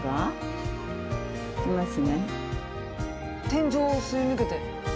天井をすり抜けて。